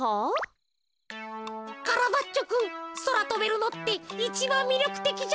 「カラバッチョくんそらとべるのっていちばんみりょくてきじゃない？」。